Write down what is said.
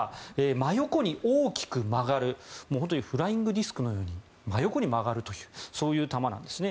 真横に大きく曲がるフライングディスクのように真横に曲がるというそういう球なんですね。